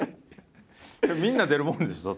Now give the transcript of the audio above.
みんな出るもんでしょ？